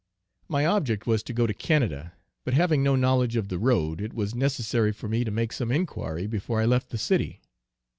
My object was to go to Canada, but having no knowledge of the road, it was necessary for me to make some inquiry before I left the city.